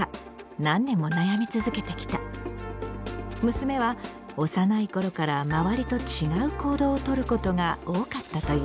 娘は幼い頃から周りと違う行動をとることが多かったという。